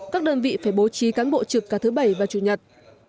các đơn vị phải bố trí cán bộ trực cả thứ bảy và chủ nhật